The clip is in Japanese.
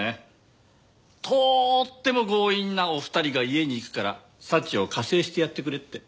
とーっても強引なお二人が家に行くから祥を加勢してやってくれって。